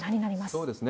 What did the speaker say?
そうですね。